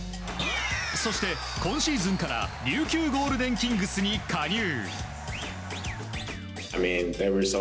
そして、今シーズンから琉球ゴールデンキングスに加入。